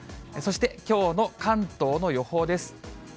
そしてきょうの関東の予報です。